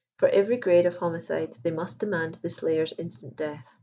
Fol" every grade of homicide they must demand the slayer^s instant death.